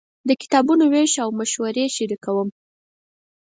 د کتابونو وېش او مشورې شریکوم.